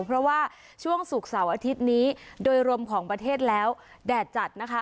เพราะว่าช่วงศุกร์เสาร์อาทิตย์นี้โดยรวมของประเทศแล้วแดดจัดนะคะ